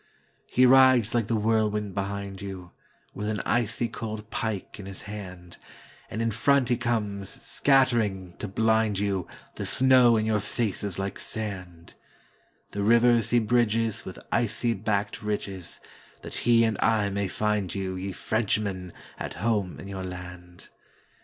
He rides like the whirlwind behind you, With an icy cold pike in his hand, And in front he comes, scattering, to blind you, The snow in your faces like sand; The rivers he bridgesWith icy backed ridges, That he and I may find you, Ye Frenchmen, at home in your land!